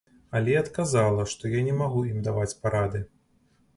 Але я адказала, што я не магу ім даваць парады.